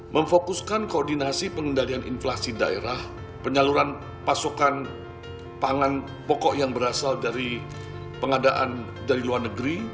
memfokuskan koordinasi pengendalian inflasi daerah penyaluran pasokan pangan pokok yang berasal dari pengadaan dari luar negeri